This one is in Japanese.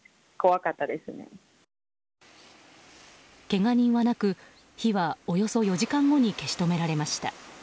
けが人はなく、火はおよそ４時間後に消し止められました。